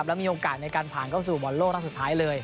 แล้วมีโอกาสในการผ่านเข้าสู่บอลโลกรอบสุดท้ายเลย